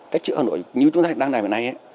cách giữa cho hà nội như chúng ta đang làm hôm nay